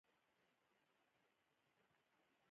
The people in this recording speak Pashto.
ژوندي تل قدم اخلي